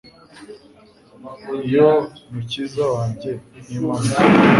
yo mukiza wanjye n’Imana yanjye